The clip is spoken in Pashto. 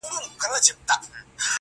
گراني اوس دي سترگي رانه پټي كړه_